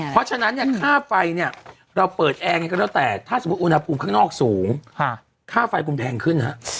เพราะฉะนั้นเนี่ยค่าไฟเนี่ยเราเปิดแอร์ไงก็แล้วแต่ถ้าสมมุติอุณหภูมิข้างนอกสูงค่าไฟคุณแพงขึ้นฮะ